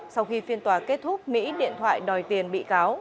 sau khi phiên tòa kết thúc mỹ điện thoại đòi tiền bị cáo